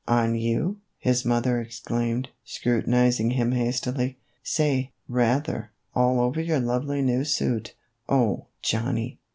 " On you" his mother exclaimed, scrutinizing him hastily, " say, rather, all over your lovely new suit. Oh, Johnny